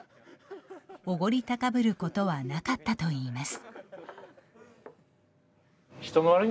おごり高ぶることはなかったといいます。